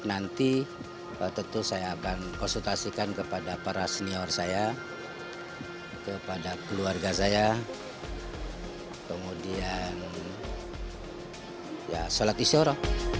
nanti tentu saya akan konsultasikan kepada para senior saya kepada keluarga saya kemudian ya sholat isyawarah